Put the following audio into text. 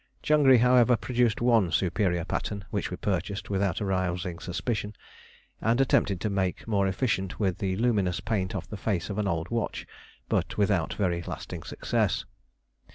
Changri, however, produced one of superior pattern, which we purchased without arousing suspicion, and attempted to make more efficient with the luminous paint off the face of an old watch, but without very lasting success.